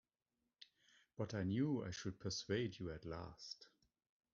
But I knew I should persuade you at last.